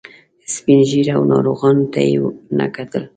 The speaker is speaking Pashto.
سپین ږیرو او ناروغانو ته یې نه کتل.